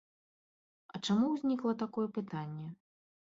А чаму ўзнікла такое пытанне?